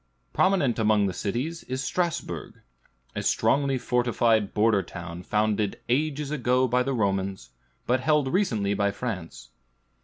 Prominent among its cities is Strasbourg; a strongly fortified border town, founded ages ago by the Romans, but held recently by France.